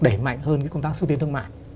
đẩy mạnh hơn công tác xúc tiến thương mại